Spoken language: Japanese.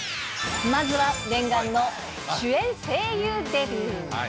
まずは念願の主演声優デビュー。